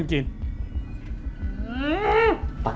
สินะ